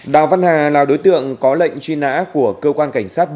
đào văn hà là đối tượng có lệnh truy nã của cơ quan cảnh sát điều tra công an